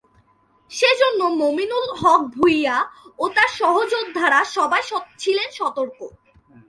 সে জন্য মমিনুল হক ভূঁইয়া ও তার সহযোদ্ধারা সবাই ছিলেন সতর্ক।